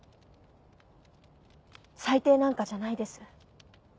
最低なんかじゃないです。